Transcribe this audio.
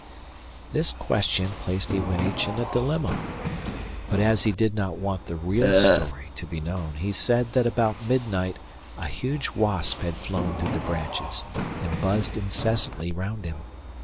This question placed Iwanich in a dilemma. But as he did not want the real story to be known, he said that about midnight a huge wasp had flown through the branches, and buzzed incessantly round him.